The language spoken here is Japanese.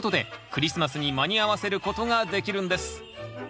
クリスマスに間に合わせることができるんです。